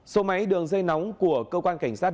số máy đường dây nóng của cơ quan cảnh sát